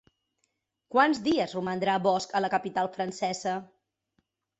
Quants dies romandrà Bosch a la capital francesa?